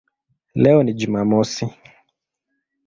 Leo ni Jumamosi".